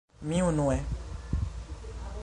Mi unue...